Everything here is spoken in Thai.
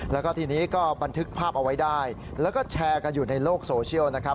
แล้วก็ทีนี้ก็บันทึกภาพเอาไว้ได้แล้วก็แชร์กันอยู่ในโลกโซเชียลนะครับ